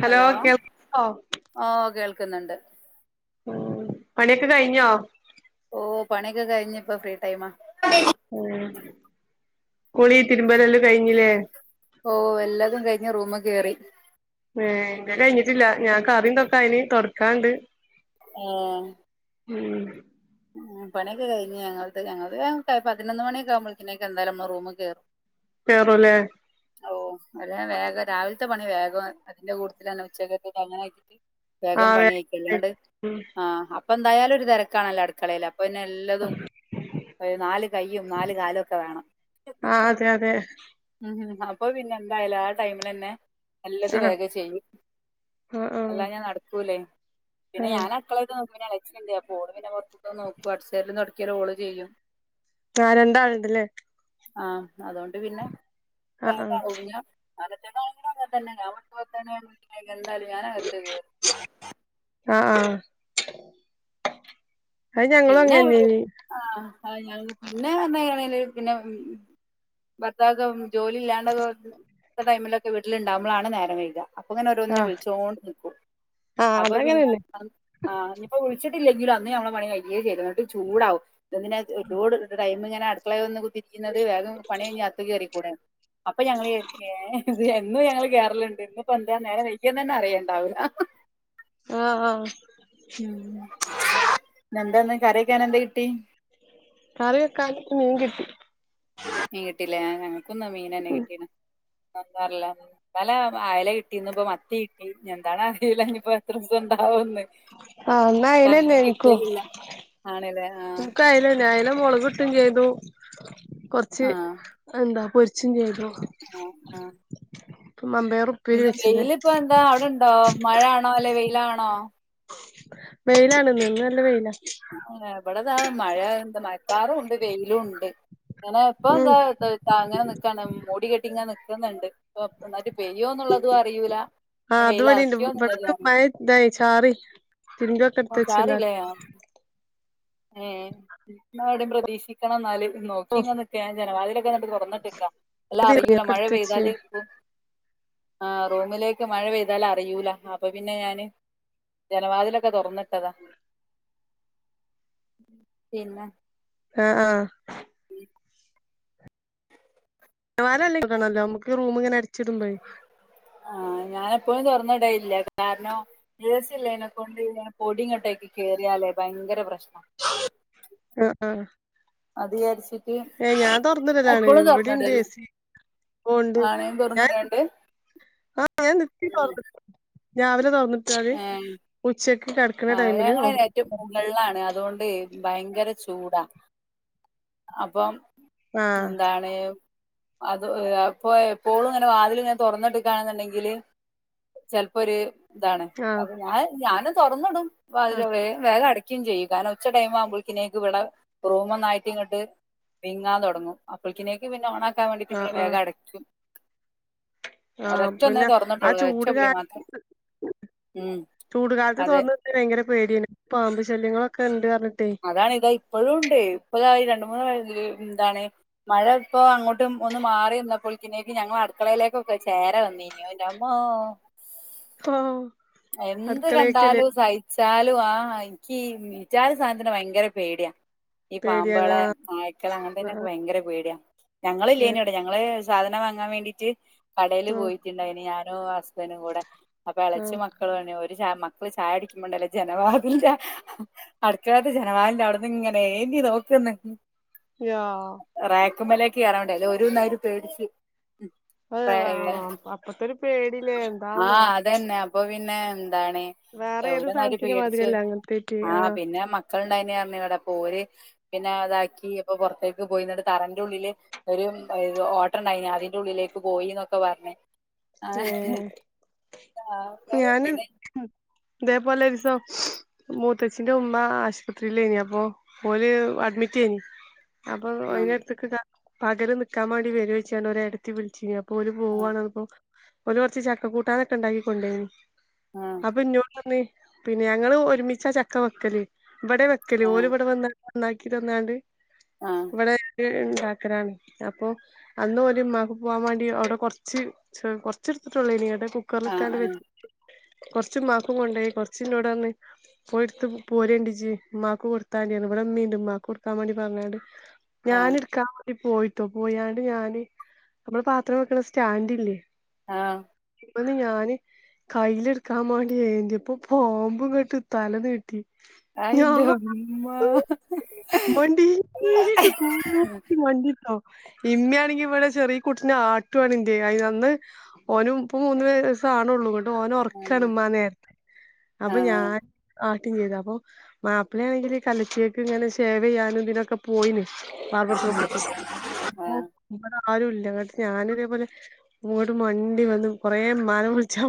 Hello കേോ [unintelligible] നിക്കുന്നുണ്ട് ഉം പണിയൊക്കെ കഴിഞ്ഞോ ഓഹ പണിിക്ക കഴിഞ്ഞി ഇപ്പ ഫ്രീ ൈം ആ കുളി തിരുമ്പലല്ലാം കഴിഞ്ഞില്ലേ ഓ എല്ലാതും കഴിഞ്ഞ് റൂമ കേയറി ഏ എന്റെ കഴിഞ്ഞിട്ടില്ല ഞാ കറിിയന്തൊക്ക അന് തുൊടക്കാണ്ട് ആഹ ഉം മ പണിയൊക്കെ കഴിഞ്ഞഞ് ഞങ്ങൾ ഞൾ പതിനൊന്ന് മണിയൊക്കെകുമ്പോളിക്കേക്ക എന്തായാലും നമ്മ റൂം കയറും കേറുംല്ലേ ഓ അ വ രാവിലത്തെ പണി വേഗം അതിന്റെ കൂടുൽന്ന ഉച്ച് അങ്ങന ആക്കിട്ട് ആ വേഗം പണിയിക്ക വേഗം അല്ലാണ്ട് ഉം ആഹ അപ്പ എന്തായാലും തിക്കാണല്ല അട കളയില പിന്നെ എല്ലതും നാല് കയ്യും നാല് കാലുവൊക്കെ വേണം ആ അതെ അതെ ഉം അപ്പൊ പിന്നെ എന്തായാലു ആ ടൈമിലന്നെ നല്ലത് ആ വേഗ ചെയ്യ് ആ ആ എല്ലാം ഞാൻ നടക്കൂല്ലേ ആ പിന്നെ ഞാൻ അക്കള- സ്ണ്ട് അപ്പൊഓളിഞ്ഞനെ പുറത്ത്ന് നോക്കും അടിച്ചാരലുംതൊടക്കലും ഓള് ചെയ്യും ആഹ് രണ്ടാളിണ്ടല്ലേ ആഹ് അതോണ്ട് [unintelligible] ആ ആ [unintelligible] എന്താലും ഞാൻ അകത്തത്കേറി ആ ആ അത് ഞങ്ങളും പിന്നെ അങ്ങനെന്നേനി ആഹ് ഞങ്ങ പിന്നെ വന്നേറി പിന്നെ ഉം ഭർത്താക്കെ ജോലി ഇല്ലാണ്ട ടൈമിലൊക്കെ വീട്ടിലിണ്ടാവുമ്പളാണ് നേരം കഴുക അപ്പൊങ്ങനെ ആ ഓരോന്നിനും വിളിച്ചോണ്ട് നിക്കും ആ അപ്പൊ പിന്നെ അതങ്ങനെന്നെ ആഹ് ഇനിപ്പോ വിളിച്ചി- ഇല്ലെങ്കിലൊ അന്ന്ഞമ്മള പണി- യേ ചെയ്ത- ചൂടാവും ഇതെന്തിന ലോട് ടൈമി- അടുക്കളെ- രിക്കുന്നത് വേഗം പണിഴിഞ്ഞ അകത്തേക്ക് കേറിക്കൂടെന്ന് അപ്പൊ ഞങ്ങള് ഇ ഏഹ് എന്നും ഞങ്ങള് കേറലിണ്ട് ഇന്നിപ്പോ എന്താ നേരെ വയ്കിയോന്ന് തന്നെ അറിയേണ്ടാവൂല്ല ആ ആഹ് ഇന്ന്എന്താന്ന് കറിക്കാനെന്ത് കിട്ടി കറിവെക്കാൻ മീൻങ്കിട്ടി മീൻ കിട്ടില്ലെ ൻക്കുന്ന് മീനന്നെ കിട്ടീന അസാരില്ല ഇന്നല അയല കിട്ടി ഇന്നിപ്പ മത്തി കിട്ടി എന്താണ അറിയില്ല ഇനിപ്പോ എത്ര ദിസണ്ടാ- ആഹ് ഒന്ന് ആ ഇന്ന് അങ്ങനെ കിട്ടലില്ല ആണല്ലേ ആ ൻക്ക് അയലന്നെ അയല മൊളകിട്ട് യ്തു കൊറച്ച് എന്താ പൊരി- ച്ചും ചെയ്തു ആഹ് ആഹ് മമ്പയർ ഉപ്പേരി വെച്ച്ണ് വെയിലിപ്പോ എന്താ അവിടെണ്ടോ മഴ ആണോ അല്ല വെയിലാണോ വെയിലാണിന്ന് ഇന്ന് നല്ല വെയിലാ ആഹ് ഇവിടെതാ മഴ എന്താ മഴക്കാറും ഉണ്ട് വെയിലുണ്ട് ഇങ്ങനെ ഇപ്പൊ ഉം എന്താ അങ്ങനെ നിക്കാണ് മൂടികെട്ടി ഇങ്ങനെ നി- ന്ന്ണ്ട് പ്പം ഒന്നായിട്ട് പ്പം ആ അത് വെയിൽ ഇവടിണ്ട് അറക്കിയോ എന്നുള്ളതും അറിയില്ല മഴ ഇതായി ചാറി തിര്മ്പിയൊക്കെ അപ്പൊ എടുത്ത് ചാറില്ലേ വെച്ചല്ലാരും ഏ ഇന്നാ ഇവിടെയും പ്രതീക്ഷിക്കണം ന്നാല് നോക്കിങ്ങ് ന നിക്ക്ക ജനവാ ട്ട തുറന്നിട്ട് നിക്കാ അല്ലേ അറിയൂല ഒക്കെ മഴ എടുത്ത് വെച്ച് പെയ്താല് ആ റൂമിലേക്ക് മഴ പെയ്താല് അറിയൂല അപ്പൊ പിന്നെ ഞാന് ജനവാതിലൊക്കെ തുറന്നിട്ടതാ പിന്നെ ആ ആ [inaudible] കട്ടണല്ലോ നമക്ക് റൂമിങ്ങന് ചിടുമ്പെ ഞാന എപ്പോഴും തൊറന്നിടല് ഇല്ല കാരണം എ സി കൊണ്ട് പൊടിങ്ങോട്ടക്കി കേറിയാലേ ഭയങ്കര പ്രശ്നം ആഹ ആ അത് വിചാരിച്ചിട്ട് ഏ ഞാൻ തുറന്നിടലാണ് എപ്പോഴും ഇവിടെണ്ട് തുറന്നിടല് എ സി ഓ ഉണ്ട് ആണയും ഞാൻ നി തുറന്നുവിടാണ്ട് ആഹ ഞാൻ നിത്യം തുറന്നിട്ട് രാവിലെ തൊറന്ന് ഏആ ടൈമില് ഞങ്ങള ആഹ് ഏറ്റവും മുകളിലാണ് അതോണ്ടെ ഭയങ്കര ചൂടാ അപ്പം ആഹ് എന്താണ് അത് അപ്പൊ എപ്പോഴും ഇങ്ങനെ വാതിൽ ഇങ്ങനെ തുറന്നിട്ക്കാണെണ്ടെങ്കില് ചെിലപ്പോ ഒരു ഇതാണ് ആഹ് അപ്പൊ ഞാൻ ഞാന തൊറന്നിടും വാതില് വേഗം വേഗ അടക്ക് ചെയ്യും കാരണം ഉച്ചടൈം ആകുമ്പോഴേക്കും ഇവിടെ റൂമന്നായിട്ടി ഇങ്ങോട്ട് വിങ്ങാൻ തുടങ്ങും അപ്പോഴേക്കും പിന്നെ ഓണാ കാൻ വേണ്ടി പിന്നെ വേഗം അടയ്ക്കും ആ ഒരൊറ്റ ഒന്നേ പിന്നെ ആ തുറന്നിട്ടുള്ളൂ ഒരൊറ്റ ചൂട് വിളി മാത്രം കാരണം ഉം ചൂടുകാലത്ത് അതെ തൊറന്ന് ഇട്ടു കഴിഞ്ഞാൽ ഭയങ്കര പേടിയാണ് പാമ്പ് ശല്യങ്ങള ഒക്കെ ഇണ്ട് അതാണ് ഇതാ ഇപ്പോഴുണ്ട് ഇപ്പോഴാണെങ്കിൽ രണ്ട് മൂന്ന് വ എന്താണ് മഴ ഇപ്പോ അങ്ങോട്ടും ഒന്ന് മാറി വന്നപ്പോളിക്കനേക്ക് ഞങ്ങൾ അടുക്കളയിലേക്കൊക്കെ ചേര വന്നീനോന് എൻ്റെ അമ്മോ ഓ എന്ത് അടുക്കളേക്കല്ലേ കണ്ടാലും സഹിച്ചാലും ആ മി വിചാരിച്ച് ഈ സാധനത്തിന് ഭയങ്കര പേടിയാ ഈ പേടിയാണ് പാമ്പളെ നായ്ക്കളെ അങ്ങനത്തെന്നെക്കെ ആഹ് ഭയങ്കര പേടിയ ഞങ്ങളില്ലേന് ഇടെ ഞങ്ങള് സാധനം വാങ്ങാൻ വേണ്ടിട്ട് കടയില് ആഹ് പോയിട്ടുണ്ടായിന് ഞാൻ [unintelligible] കൂടെ അപ്പൊ ഇളെച്ചി ആഹ് മക്കൾ വേണെ ച മക്കള് ചായ കുടിക്കുമ്പോണ്ടല്ലോ ജനാവിതിൽ ആ അടുക്കളേത്ത് ജനവാതിന്റെ അവിടന്ന് ഇങ്ങനെ എന്തി നോക്കുന്നു യാ ഉക്കുമലക്ക് കേറാൻ വേണ്ടി ഓല് ഒന്നായിറ്റ് പേടിച്ച് അതെ വാ അപ്പത്തൊരു പേടിയില്ലേ എന്താന്നോ എന്നാ വേറെ ഏത് സാധനത്തിന് മാതിരിയല്ല അങ്ങനത്തേറ്റി ആ പിന്നെ മക്കളുണ്ടായതി വിടെ പോര് പിന്നെ അതാക്കി ഇപ്പൊ പുറത്തേക്ക് പോയിന്നട്ട് തറന്റെ ഉള്ളില് ഒരു ഓട്ടർണ്ടായി അതിന്റെ ഉള്ളിലേക്ക് പോയിന്നൊക്കെ പറഞ്ഞേ ഏ ആ, ഞാനും പിന്നെ ഇതേ പോലെ ഒരിസം മൂത്തച്ഛിന്റെ ഉമ്മ ആശുപത്രീലെനി അപ്പൊ ഓല് അഡ്മിറ്റ് എനി അപ്പൊ വൈന്നേരത്ത് [unintelligible] പകല് നിക്കാൻ വേണ്ടി വരോയ്ച്ചാണ്ട് ഒരേടത്തി വിളിച്ചിനു അപോല് പോവാണ് ർഞ്ഞപ്പോ ഓല് കൊർച്ച് ചക്ക കൂട്ടാനൊക്കെ ഉണ്ടാക്കി കൊണ്ടേയ്നി. ആ, അപ്പന്നോട് പർഞ്ഞ് പിന്നെ ഞങ്ങള് ഒരുമിച്ചാ ചക്ക വെക്കല് ഇവിടെ വെക്കല് ആ, ഓലിവിടെ വന്ന് നന്നാക്കി തന്നാണ്ട് ആ, ആ, ഇവിടെ [unintelligible] ക്കലാണ് അപ്പൊ അന്നോല് മ്മാക്ക് പോവാൻ വേണ്ടി അവിടെ കൊറച്ച് ച്ച് കൊറച്ചെടുത്തിട്ടൊള്ളയ്നിം എന്നിട്ട് ആ, കുക്കറിലിട്ടാണ്ട് വെച് കൊറച്ച് മ്മാക്കും കൊണ്ടോയി കൊറച്ച്ന്നോട് പറഞ്ഞ് പോയി ഇടുത്ത് പോരണ്ടിജ്ജ് മ്മാക്ക് കൊടുത്താതീന്ന് പറഞ് ഇവിടെ മ്മീണ്ട് മ്മാക്ക് കൊടുക്കാൻ വേണ്ടി പറഞ്ഞണ്ട് ആ, ആ, ഞാനെടുക്കാൻ വേണ്ടി പോയിട്ടോ പോയാണ്ട് ഞാന് നമ്മള് പാത്രം വെക്കണ സ്റ്റാൻഡില്ലേ ആഹ് അവിട്ന്ന് ഞാന് കയ്ലെടുക്കാൻ മാണ്ടി ഏന്തിയപ്പോ പാമ്പ്ങ്ങട്ട് തല നീട്ടി അതിന്റെ ഉമ്മ [unintelligible] മണ്ടീട്ട് കൂക്കി മണ്ടീട്ടോ ഇമ്മയാണെങ്കി ഇവിടെ ചെറിയ കുട്ടിനെ ആട്ടുവാണെ [unintelligible] അന്ന് ഓനും ഇപ്പ മൂന്ന് വയസ്സ് ആവണുള്ളൂ [unintelligible] ഓന ഉറക്കാണ് ഉമ്മ നേരത് ആ, ആ, അപ്പൊ ഞാ ചെയ്ത അപ്പൊ മാപ്പിളണെങ്കിൽ കലച്ചക്ക്ങ്ങനെ [unintelligible] ചെയ്യാനും ഇതിനൊക്കെ പോയിന് ബാർബർഷോപ്പ്ക്ക് ആ, ആരും ഇല്ല ങ്ങട്ട് ഞാനതേപോലെ അങ്ങോട്ട് മണ്ടിവന്നു കൊറേമ്മാനെ വിളിച്ചാ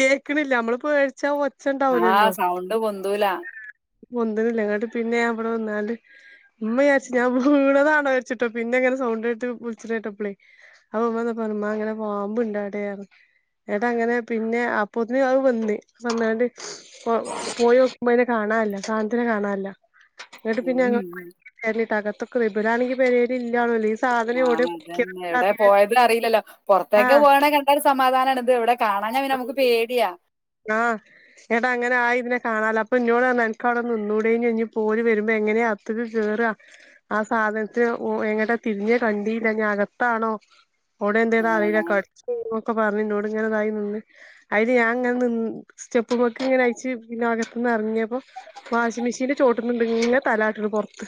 കേൾക്കണില്ല നമ്മളിപേട്ചാ ആഹ് സൗണ്ട് പൊന്തൂല പൊന്ത്ണ്ല്ല ങ്ങട്ട്പിന്നെ ഞാൻ വടെ വന്നാണ്ട് മ്മ ജാരിച്ച ഞാൻ വീണതാര്ച്ചിട്ടോ പിന്നെങ്ങനെ സൗണ്ട ആയിട്ട് വിളിച്ചിണെട്ടപ്പളേ അപ്പൊ അമ്മന്നപ്പോ മ്മാ ങ്ങനെ പാമ്പ്ണ്ടാട ട്ടാ ങ്ങനെ പിന്നെ അപ്പൊത്തിന് അത് വന്ന് വന്നാണ്ട് പോയോ ഉമ്മനെ കാണാനല്ല സാനതിനെ കാണാനല്ല എടു പിന്നെ ഉം ഞങ്ങ [unintelligible] ക [unintelligible] ഇവരാണെങ്കിൽ പേര് ഇല്ലാണോ ആ അതന്നെ എവിടെ പോയതറീല്ലല്ലോ പുറ [unintelligible] ക്ക് ആഹ് പോകണേ കണ്ട സമാധാനണ് ഇത്വിടെ കാണാഞ്ഞാ പിന്ന നമുക്ക് പേടിയാ ആഹ് ങ്ങട്ടങ്ങനായി ന്നേ കാണാല അപ്പൊ ഇന്നോട്റഞ്ഞു അവിടെന്നെ നിന്നൂടെനിയോ ഞ്പ്പോല് വരുമ്പോ എങ്ങനെ അകത്ത്ക്ക്കേറാ ആ സാധനത്തിന് എങ്ങട്ടാ തിരിഞ്ഞ കണ്ടീല്ല ഞ് അകത്താണോ ഔടെ ന്താന്നറീല ആഹ് കട്ചുന്നൊക്കെ പറഞ്ഞിന്നോ - ങ്ങനതായി നിന്ന് അതിന് ഞാ- ങ്ങനെ നിന്ന് സ്റ്റെപ്പ്മ്മക്ക് ഇങ്ങനെ അയച്ചു പിന്ന അകത്ത് നിന്ന് ഇറങ്ങിയപ്പോ വാഷിംഗ മെഷീനിന്റെ ചോട്ട്ന്ന്ണ്ട് ഇങ്ങനെ തലാട്ടുന്നു പുറത്ത്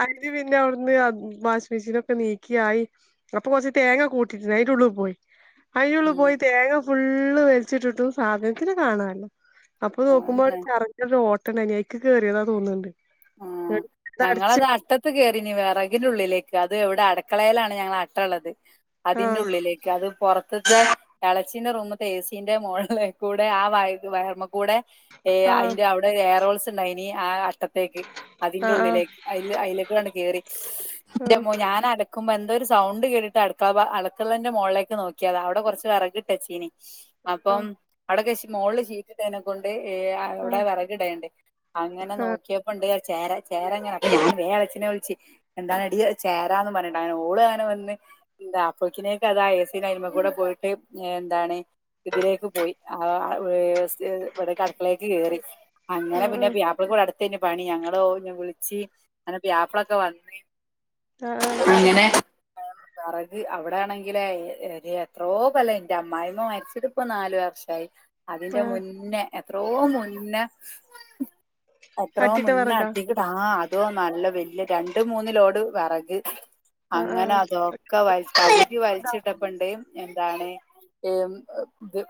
അതില് പിന്നെ അവിടുന്ന് വാഷിമെഷീനൊക്കെ നീക്കിആയി അപ്പൊ കൊറച്ച് തേങ്ങ കൂട്ടിയിയിട്ട്ണ് അതിന്റുള്ളിപോയി ഉം അയ്ന്റുള്ളപോയി തേങ്ങ ഫുൾ ഫുള്ള് വലിച്ചിട്ടിട്ടും സാധനത്തിനെ കാണാല്ല അപ്പൊ നോക്കുമ്പോ [unintelligible] അതന്നെ [unintelligible] കേറിയതാ തോന്നുന്നുണ്ട് ആ അത് ഞങ്ങളത് അടച്ചിട്ട് അട്ടത്ത് കേറീനി വിറകിനുള്ളിലേക്ക് അത് എവിടെ അടക്കളയിലാണ് ഞങ്ങള അട്ടള്ളത് അതിന്റെ ആഹ് ഉള്ളിലേക്ക് അത് പുറ [unintelligible] ത്തെ ഇളച്ചിന്റെ റൂമത്ത് എ സിന്റെ മോളില്കൂടെ ആ വ വയർമ കൂടെ ആഹ് അതിന്റെ അവിടെ എയർഹോൾ ണ്ടായിനി ആ അട്ട [unintelligible] അതിന്റെ ആഹ് ഉള്ളിലേക്ക് അയ്ലെകൂടെ കേറി ന്റമ്മോ ആഹ് ഞാൻ അടക്കുമ്പോ എന്ത ഒരു സൗണ്ട് കേട്ടിട്ട് അടുക്കള അടുക്കളന്റെ മുകളിലേക്ക് നോക്കിയത അവിടെ കുറച്ച് വിറക് ട്ടചീനി അപ്പം അവിടെ ക- മോള് ഷീറ്റിട്ടെനെകൊണ്ട് ഏ ആഹ് അവിടെ ആഹ് വെറകിടേണ്ട് അങ്ങനെ ആഹ് നോക്കിയപ്പ ചേര ചേരങ്ങനെ ഞാൻ വേം എളയച്ചിനെ വിളിച്ചി എന്താണ് എടീ ചേരാന്ന് പറഞ്ഞിട്ട് അങ്ങനെ ഓള് അങ്ങനെ വന്ന് എന്താ അപ്പക്കിനേക്കതാ എ സിടെ അതുമ്മേകൂടെ പോയിട്ട് എന്താണ് ഇതിലേക്ക് പോയി ആ ഏ ഇവിടെക്കെ അടക്കളേക്ക് കേറി അങ്ങനെ പിന്നെ ആഹ് പുയ്യാപ്പിളക്ക് ഇവിടെ അടുത്തയ്നു പണി ഞങ്ങളോ നെ വിളിച്ച് അങ്ങനെ പുയ്യാപ്ലാക്കെ വന്ന് ആഹ് ആഹ് അങ്ങനെ പേറക് അവിടെ ആണെങ്കിലേ എത്രോ കൊല്ലോ ന്റെ അമ്മായിമ്മ മരിച്ചിട്ടിപ്പോ നാലു വർഷായി അതിന്റെ ആഹ് മുന്നേ എത്രോ മുന്നെ എത്രോ അട്ടിട്ട മുന്നെ വിറകാ അട്ടി [unintelligible] ആ അതോ നല്ല വല്യ രണ്ട് മൂന്ന് ലോഡ് വെറക് ആഹ് അങ്ങനെ ആഹ് അതൊക്കെ വലി പകതി വലിച്ചിട്ടപ്പൊണ്ട് എന്താണ് ഏ ഇത്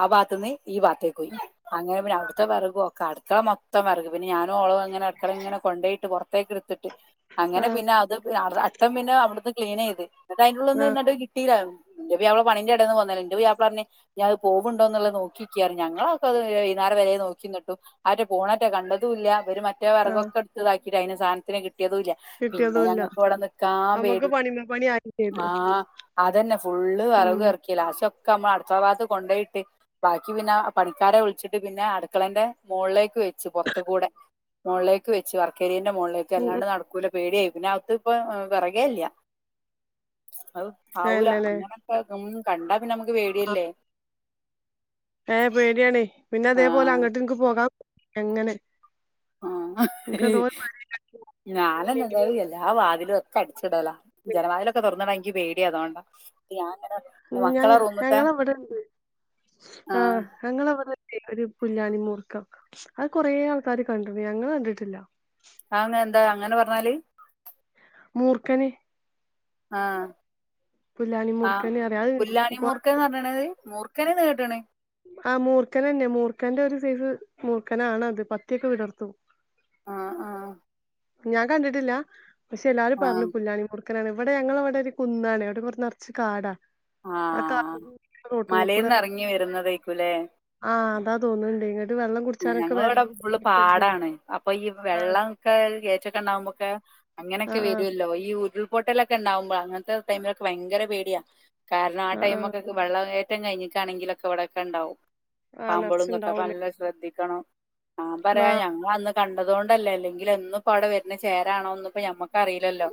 ആ ഭാഗത്തുന്ന് ഈ ഭാഗത്തേക്ക് പോയി അങ്ങനെ പിന്നെ അവിടുത്തെ വെറകും ഒക്കെ അടു ത്തമൊ ത്തമർഗം പിന്നെ ഓളും ഇടക്കടെനങ്ങനെ കൊണ്ടോയിട്ട് പുറത്തേക്കെടുത്തിട്ട് അങ്ങനെ ആഹ് പിന്നെ അത് അട്ടം പിന്നെ അവിടുന്ന് ക്ലീന് ചെയ്ത് അന്നട്ട് അതിനുള്ളി വന്ന് ആഹ് നിന്നിട്ട് കിട്ടയില്ലേ എന്റെ പുയ്യാപ്പള പണിന്റെ എടാന്ന് പോന്നതല്ലെ എന്റെ പുയ്യാപ്പള പറഞ്ഞ് ഈയത് പോവുണ്ടോന്ന് നോക്കിക്കാ പറഞ്ഞ് ഞങ്ങളൊക്കത് വൈകുന്നേരംവരെ നോക്കി നിന്നിട്ടും അവൻ്റെ ഫോണട്ടെ കണ്ടതൂല്ല മറ്റേ ആഹ് വെറകൊക്കെ എടുത്തിതാക്കി അയ്ന് സാധനത്തിന് കി കിട്ടിയതൂല്ല. പിന്നെ കിട്ടിയതും ഇല്ല ഞങ്ങക്കിവിടെ നിക്കാൻ നമ്മുക്ക് പേടി. പണിമേ പണി ആയി ചെയ്ത് ആ അതന്നെ ഫുള്ള് ഉം വെറകും ഇറക്കി ലാസ്റ്റൊ ക്കമ അടുക്കള ഭാഗത്ത് കൊണ്ടേയിട്ട് ബാക്കി പിന്നെ പണിക്കാരെ വിളിച്ചിട്ട് പിന്നെ അടുക്കളെന്റെ മോൾലേ ക്ക് വെച്ച് പുറത്തുക്കൂടെ മോളിലേക്ക് വെച്ച് വർക്കേരിയ മോളിലേക്ക് ഉം ഉം അല്ലാണ്ട് നടക്കൂല. പേടിയായി പിന്നകത്ത് ഇപ്പൊ വിറകേല്ല അഹ് ആവൂല ഇല്ലല്ലേ അങ്ങനൊക്കെ ഉം കണ്ട പിന്നെ നമുക്ക് ആ പേടിയല്ലേ ഏ പേടിയാണ്. പിന്നെ അതേപോലെ അങ്ങോട്ട് എനിക്ക് പോകാ എങ്ങനെ ആ എനിക്കെന്തോ ഒരു പേടിയാ. ഇല്ലെങ്കിലും ഞാനാണെങ്കിൽ എല്ലാ വാതിലും ഒക്കെ അടിച്ചിടല, ജനവാതിലൊക്കെ തുറന്നുണ്ടങ്കി എനിക്ക് പേടിയ, അതുകൊണ്ടാ ഞാൻ ഇങ്ങനെ മക്കളെ റൂമ്ത്തെ ഞങ്ങള് ഇവിടെണ്ട്, ആ ഞങ്ങളെവിടെ ഒരു പുല്ലാനി മൂർക്കൻ അത് കൊറേ ആൾക്കാാര് കണ്ടിരുന്നു, ഞങ്ങൾ കണ്ടിട്ടില്ല. അങ്ങനെ എന്താ അങ്ങനെ പറഞ്ഞാല് മൂർഖന് ആ പുല്ലാനി മൂർഖന് അറിയാ അത് ആ്പുല്ലാണി കൊ- മൂർഖന്ന് പറഞ്ഞണാല് മൂർഖനെന്ന് കേട്ട്ണ് ആ മൂർക്കനന്നെ മൂർക്കൻറെ ഒരു സൈസ് മൂർക്കനാണ് അത് പത്തിയൊക്കെ വിടർത്തും ആ ആ ഞാൻ കണ്ടിട്ടില്ല പക്ഷെ എല്ലാരും ആ പറഞ്ഞു പുല്ലാനി മൂർഖ മൂർഖനാണ് ഇവിടെ ഞങ്ങടെ ഇവിടെ ഒരു കുന്നാണ് അവിടെ നിറച്ച് കാടാ. ആ മലേന്ന് [unintelligible] ഇറങ്ങി വരുന്നതേക്കൂലേ ആ അതാ തോന്നുന്നുണ്ടെ ഞങ്ങള ഇവിടെ ഫുള്ള് പാടാണ് അപ്പൊ ഈ ആഹ് വെള്ളാക്കെ [unintelligible] നമുക്ക് അങ്ങനെയൊക്കെ ആഹ് ആഹ് വരുവല്ലോ ഈ ഒരു ഹോട്ടലൊക്കെ ഉണ്ടാവുമ്പോൾ അങ്ങനത്തെ ടൈമിലക്കെ ഭയങ്കര പേടിയാ കാരണം ആ ആഹ് ടൈമൊക്കെ വെള്ളം ഒറ്റം കഴിഞ്ഞട്ടാണെങ്കിലുംക്ക ഇവിടൊെക്ക ഉണ്ടാവും ആഹ് ആഹ് പാമ്പുകളന്നൊക്കെ നർച്ച്ണ്ടാവുലേ പണ്ട് ചിന്തിക്കണം ആ, പറയാ ആഹ് ഞങ്ങൾ വന്ന് കണ്ടത് കൊണ്ടല്ലേ, അല്ലെങ്കിൽ എന്നും ഇപ്പോ അവിടെ വരുന്ന ചേരാണോന്നപ്പോ ഞമ്മക്ക് അറിയില്ലല്ലോ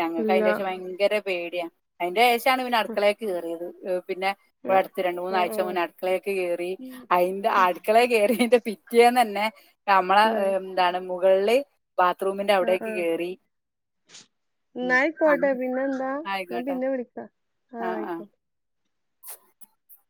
ഞങ്ങൾക്ക് ഇല്ല അതിന്റേഷം ഭയങ്കര പേടിയാ അതിന്റെ ശേഷാണ് പിന്നെ അടുക്കളേക്ക് കയറിയത് പിന്നെ ആഹ് അടുത്ത് രണ്ടു മൂന്നാഴ്ച ആഹ് മുന്നെ അടുക്കളയൊക്കെ കയറി, അതിന്റെ അടുക്കളയറി അതിന്റെ പിറ്റേന്ന് തന്നെ കമള എന്താണ് വെള്ളി ആ, ആ ഉം എന്നായിക്കോട്ടെ പിന്നെ എന്താ, ഞൻ ആയിക്കോട്ടെ പിന്നെ വിളിക്കാം, ആ ആഹ് ആഹ് ആയിക്കോട്ടെ [unintelligible]